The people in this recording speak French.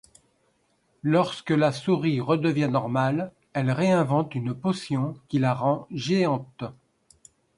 Lorsque la souris redevient normale, elle réinvente une potion qui la rend géante.